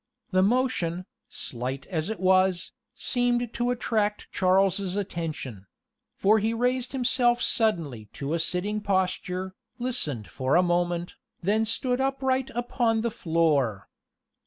The motion, slight as it was, seemed to attract Charles's attention; for he raised himself suddenly to a sitting posture, listened for a moment, and then stood upright upon the floor.